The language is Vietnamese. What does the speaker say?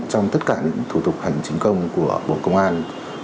trong tất cả những thủ tục hành chính công của bộ công an